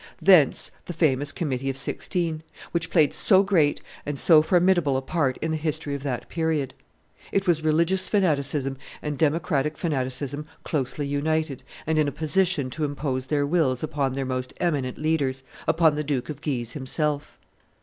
Thence the famous Committee of Sixteen, which played so great and so formidable a part in the history of that period. It was religious fanaticism and democratic fanaticism closely united, and in a position to impose their wills upon their most eminent leaders, upon the Duke of Guise himself.